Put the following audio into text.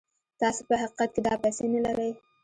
تاسې په حقيقت کې دا پيسې نه لرئ.